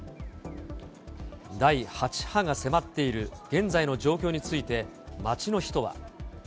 第８波が迫っている現在の状況について、街の人は。